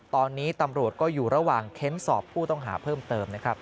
ตอนนี้ตำรวจก็อยู่ระหว่างเค้นสอบผู้ต้องหาเพิ่มเติมนะครับ